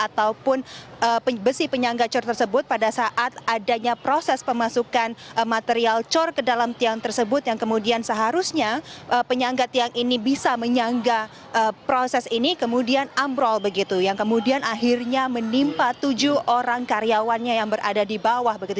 ataupun besi penyangga cor tersebut pada saat adanya proses pemasukan material cor ke dalam tiang tersebut yang kemudian seharusnya penyangga tiang ini bisa menyangga proses ini kemudian ambrol begitu yang kemudian akhirnya menimpa tujuh orang karyawannya yang berada di bawah begitu